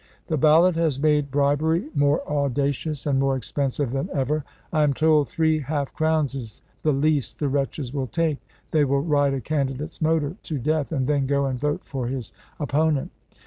The ballot has made bribery more audacious and more expensive than ever. I am told three half crowns is the least the wretches will take. They will ride a candidate's motor to death, and then go and vote for his opponent."